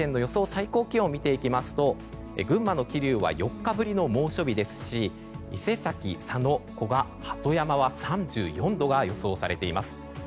最高気温を見ていきますと群馬の桐生は４日ぶりの猛暑日ですし伊勢崎、佐野、古河、鳩山は３４度が予想されています。